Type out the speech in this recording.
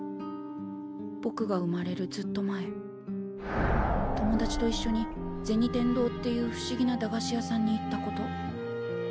ぼくが生まれるずっと前友達といっしょに銭天堂っていうふしぎな駄菓子屋さんに行ったこと。